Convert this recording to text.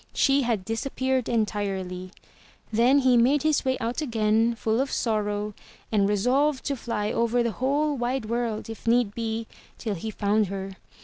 She had disappeared entirely. Then he made his way out again, full of sorrow, and resolved to fly over the whole wide world, if need be, till he found her.